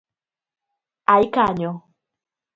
Ai kanyo!